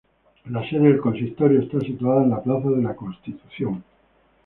La sede del consistorio está situada en la plaza de la Constitución.